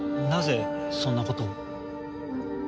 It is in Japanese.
なぜそんなことを？